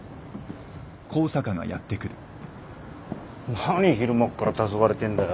何昼間っからたそがれてんだよ。